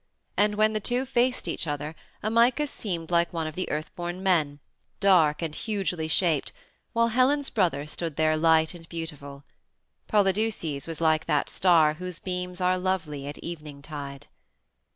And when the two faced each other Amycus seemed like one of the Earthborn Men, dark and hugely shaped, while Helen's brother stood there light and beautiful. Polydeuces was like that star whose beams are lovely at evening tide.